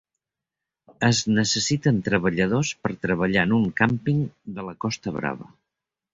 Es necessiten treballadors per treballar en un càmping de la Costa Brava.